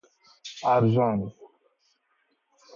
ارژنگ